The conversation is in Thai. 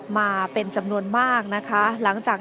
มาเป็นจำนวนมากนะคะหลังจาก